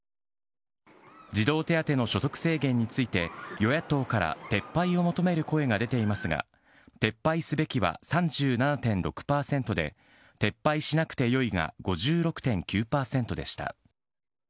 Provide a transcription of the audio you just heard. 児童手当の所得制限について、与野党から撤廃を求める声が出ていますが、撤廃すべきは３７．６％で、撤廃しなくてよいが５６．９％でした。